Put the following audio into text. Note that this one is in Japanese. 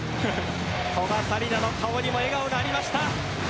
古賀紗理那の顔にも笑顔がありました。